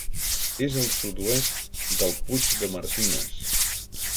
És al sud-oest del Puig de Martines.